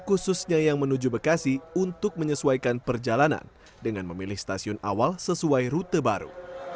khususnya yang menuju bekasi untuk menyesuaikan perjalanan dengan memilih stasiun awal sesuai rute baru